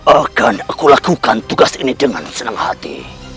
akan aku lakukan tugas ini dengan senang hati